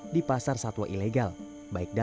dia badai dan sekarang itu masalahnya anak tutu